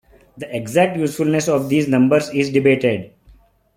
The exact usefulness of these numbers is debated.